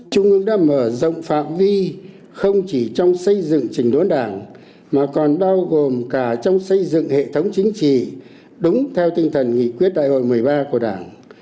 trung ương đã mở rộng phạm vi không chỉ trong xây dựng trình đốn đảng mà còn bao gồm cả trong xây dựng hệ thống chính trị đúng theo tinh thần nghị quyết đại hội một mươi ba của đảng